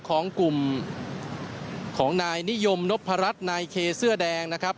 ของกลุ่มของนายนิยมนพรัชนายเคเสื้อแดงนะครับ